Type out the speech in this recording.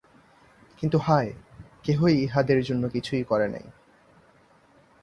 কিন্তু হায়, কেহই ইহাদের জন্য কিছুই করে নাই।